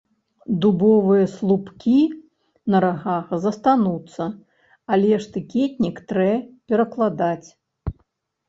Дубовыя слупкі на рагах застануцца, але штыкетнік трэ перакладаць.